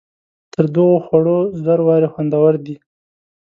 تر دغو خوړو زر وارې خوندور دی.